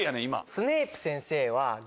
スネイプ先生は。